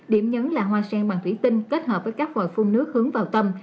điểm nhấn là hoa sen bằng thủy tinh kết hợp với các vòi phun nước hướng vào tâm